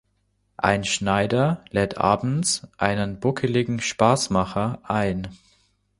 Ein Schneider lädt abends einen buckligen Spaßmacher ein.